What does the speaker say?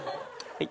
はい。